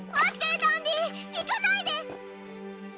いかないで。